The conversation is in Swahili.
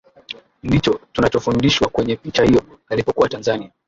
ndicho tunachofundishwa kwenye picha hiyo Alipokuwa Tanzania